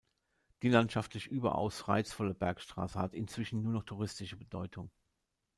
Die landschaftlich überaus reizvolle Bergstraße hat inzwischen nur noch touristische Bedeutung.